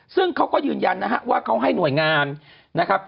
ซึ่งเขาก็ยืนยันนะฮะว่าเขาให้หน่วยงานนะครับ